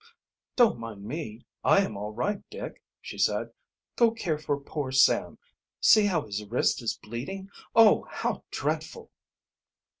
"Don't mind me I am all right, Dick," she said. "Go care for poor Sam. See how his wrist is bleeding! Oh, how dreadful!"